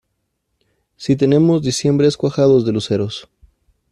Si tenemos diciembres cuajados de luceros.